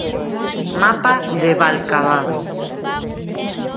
Mapa de Valcavado.